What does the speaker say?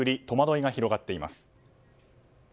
戸惑いが広がっています。